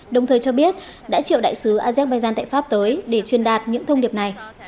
đồng thời cho biết đã triệu đại sứ azerbaijan tại pháp tới để truyền đạt những thông điệp này